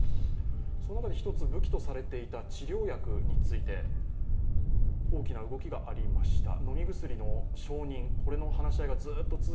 その中で一つ武器とされていた治療薬について、大きな動きがありました。